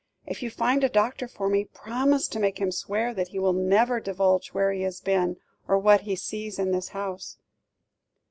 If you find a doctor for me, promise to make him swear that he will never divulge where he has been, or what he sees in this house."